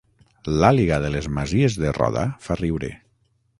L'àliga de les Masies de Roda fa riure